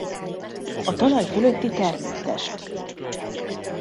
A talaj fölötti termőtest!